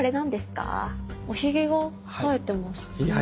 おひげが生えてます。